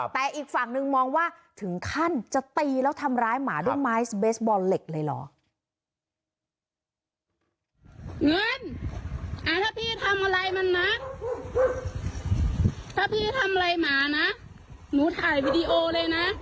แต่อีกฝั่งนึงมองว่าถึงขั้นจะตีแล้วทำร้ายหมาด้วยไม้เบสบอลเหล็กเลยเหรอ